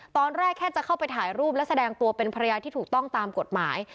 ตอนแรกแค่จะเข้าไปถ่ายรูปและแสดงตัวเป็นภรรยาที่ถูกต้องตามกฎหมาย